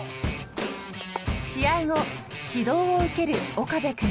［試合後指導を受ける岡部君］